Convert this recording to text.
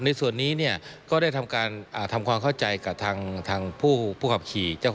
ในส่วนนี้เนี่ยก็ได้ทำการทำความเข้าใจกับทางผู้ขับขี่